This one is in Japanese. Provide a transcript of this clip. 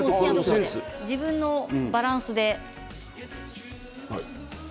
ご自分のバランスで。